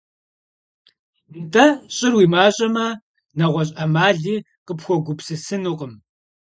НтӀэ, щӀыр уи мащӀэмэ, нэгъуэщӀ Ӏэмали къыпхуэгупсысынукъым.